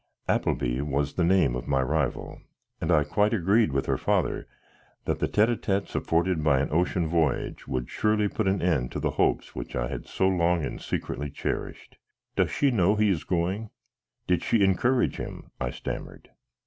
Appleby was the name of my rival, and I quite agreed with her father that the tête à têtes afforded by an ocean voyage would surely put an end to the hopes which I had so long and secretly cherished. "Does she know he is going? Did she encourage him?" I stammered.